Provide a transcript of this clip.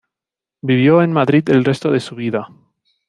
Vivió en Madrid el resto de su vida.